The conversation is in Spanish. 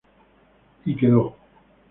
Y quedó.